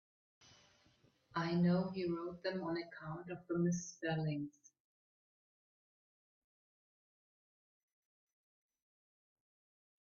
I know he wrote them on account of the misspellings.